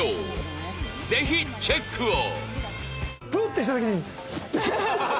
ぜひチェックを！